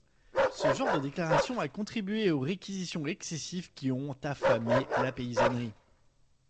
Ce genre de déclaration a contribué aux réquisitions excessives qui ont affamé la paysannerie.